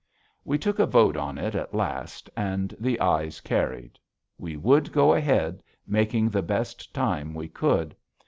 We took a vote on it at last and the "ayes" carried. We would go ahead, making the best time we could.